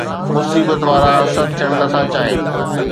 مصيبت وارا حسد ٿيڻ نٿا چاهين